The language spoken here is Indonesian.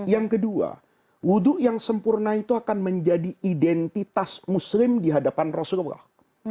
yang kedua wudhu yang sempurna itu akan menjadi identitas muslim di hadapan rasulullah